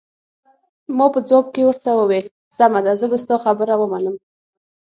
ما په ځواب کې ورته وویل: سمه ده، زه به ستا خبره ومنم.